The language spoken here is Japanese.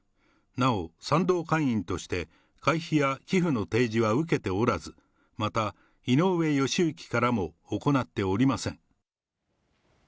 なお、賛同会員として、会費や寄付の提示は受けておらず、また、井上義行からも行っておりません。